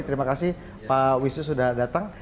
terima kasih pak wisnu sudah datang